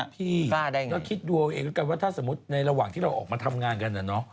พี่ก็คิดดูเอาเองแล้วกันว่าถ้าสมมุติในระหว่างที่เราออกมาทำงานกัน